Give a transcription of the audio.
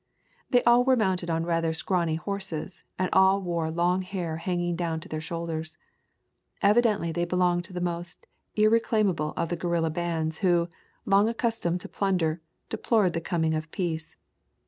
They all were mounted on rather scrawny horses, and all wore long hair hanging down on their shoulders. Evidently they belonged to the most irreclaim able of the guerrilla bands who, long accus tomed to plunder, deplored the coming of peace.